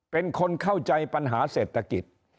เป็นคนเข้าใจปัญหาเศรษฐกิจ